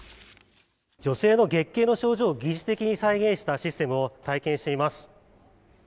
女性の月経の症状を疑似的に再現したシステムを体験してみます。